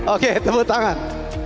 oke tepuk tangan